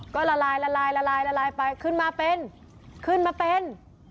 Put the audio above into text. ก็ละลายละลายละลายละลายไปขึ้นมาเป็นขึ้นมาเป็น